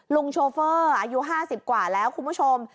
โชเฟอร์อายุ๕๐กว่าแล้วคุณผู้ชม